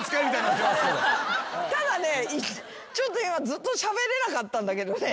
ただねちょっとずっとしゃべれなかったんだけどね。